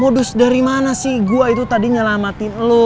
modus dari mana sih gua itu tadi nyelamatin lo